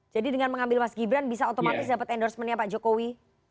jadi dengan mengambil mas gibran bisa otomatis dapat endorsement nya pak jokowi